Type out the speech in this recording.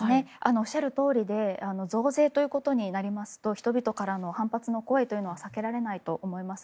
おっしゃるとおりで増税ということになりますと人々からの反発の声は避けられないと思います。